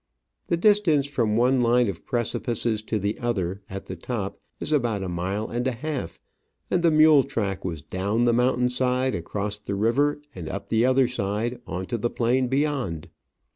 The distance from the one line of precipices to the other, at the top, is about a mile and a half, and the mule track was down the mountain side, across the river, and up the other side, on to the plain beyond.